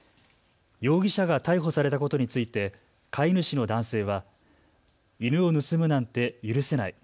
容疑者が逮捕されたことについて飼い主の男性は犬を盗むなんて許せない。